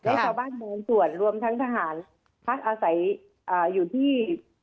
ในเทศบาลบนส่วนรวมทั้งทหารพักอาศัยอยู่ที่